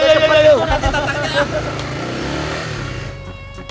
cepet atut nanti tatangnya